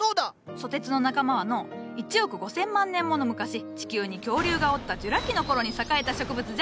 蘇鉄の仲間はの１億５，０００万年もの昔地球に恐竜がおったジュラ紀の頃に栄えた植物じゃ。